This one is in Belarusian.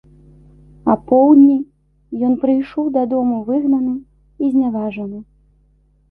Апоўдні ён прыйшоў дадому выгнаны і зняважаны.